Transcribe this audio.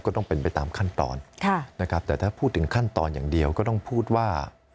ก็ต้องเป็นไปตามขั้นตอนนะครับแต่ถ้าพูดถึงขั้นตอนอย่างเดียวก็ต้องพูดว่า